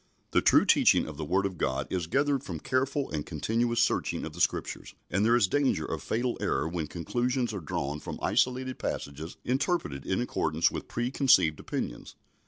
The true teaching of the Word of God is gathered from careful and continuous searching of the Scriptures, and there is danger of fatal error when conclusions are drawn from isolated passages interpreted in accordance with preconceived opinions.